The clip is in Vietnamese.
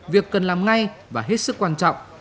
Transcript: việc cần làm ngay và hết sức quan trọng